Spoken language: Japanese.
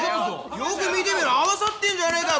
よく見てみろ合わさってんじゃねぇかよ